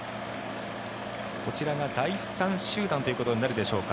こちらが第３集団ということになるでしょうか。